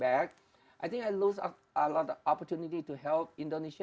dan saya ingin memberikan kesempatan untuk membantu orang indonesia